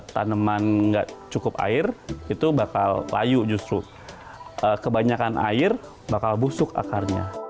tanaman nggak cukup air itu bakal layu justru kebanyakan air bakal busuk akarnya